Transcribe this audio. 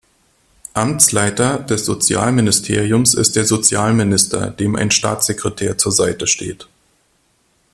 Amtsleiter des Sozialministeriums ist der Sozialminister, dem ein Staatssekretär zur Seite steht.